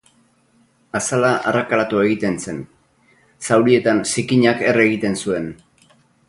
Azala arrakalatu egiten zen, zaurietan zikinak erre egiten zuen.